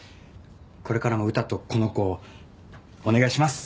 これからもうたとこの子をお願いします！